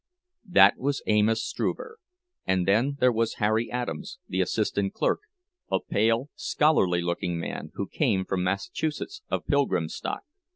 That was Amos Struver; and then there was Harry Adams, the assistant clerk, a pale, scholarly looking man, who came from Massachusetts, of Pilgrim stock.